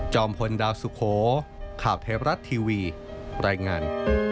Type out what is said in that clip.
พลดาวสุโขข่าวไทยรัฐทีวีรายงาน